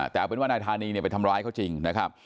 แต่เอาเป็นว่านายธานีเนี่ยไปทำร้ายเขาจริงนะครับ